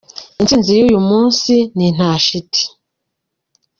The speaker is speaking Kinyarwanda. Intsinzi y'uyu munsi ni nta shiti.